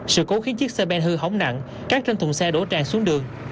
sự cố khiến chiếc xe bên hư hóng nặng cát trên thùng xe đổ tràn xuống đường